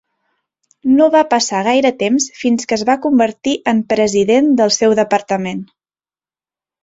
No va passar gaire temps fins que es va convertir en president del seu departament.